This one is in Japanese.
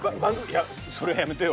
いやそれはやめてよ。